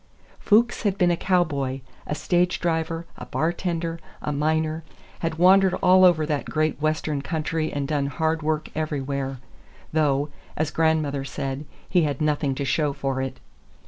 Fuchs had been a cowboy, a stage driver, a bar tender, a miner; had wandered all over that great Western country and done hard work everywhere, though, as grandmother said, he had nothing to show for it.